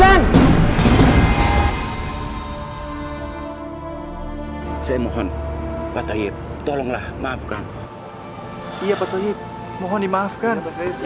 hai semuanya patahip tolonglah maafkan ia patahip mohon dimaafkan